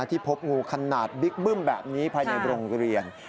ที่พบงูขนาดบิ๊กบึ้มแบบนี้ภายในโรงเรียน